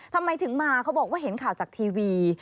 ทำไมถึงมาเขาบอกว่าเห็นข่าวจากทีวี